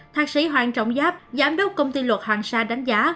thạc sĩ hoàng trọng giáp giám đốc công ty luật hoàng sa đánh giá